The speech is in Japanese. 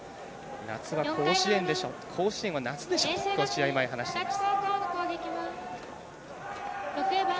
夏は甲子園でしょ夏は甲子園でしょ、と試合前に話していました。